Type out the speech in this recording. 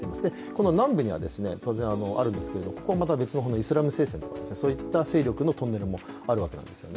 この南部には当然あるんですけど、これはまた別のイスラム聖戦のそういった勢力のトンネルもあるわけです。